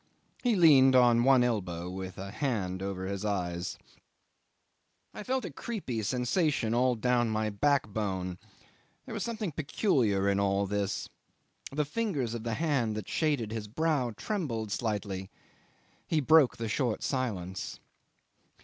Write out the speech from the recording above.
He leaned on one elbow with a hand over his eyes. 'I felt a creepy sensation all down my backbone; there was something peculiar in all this. The fingers of the hand that shaded his brow trembled slightly. He broke the short silence.